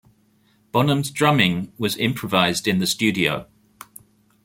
Bonham's drumming was improvised in the studio.